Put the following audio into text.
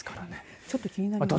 ちょっと気になります。